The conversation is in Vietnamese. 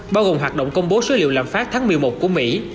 bao gồm hoạt động công bố số liệu lạm phát tháng một mươi một của mỹ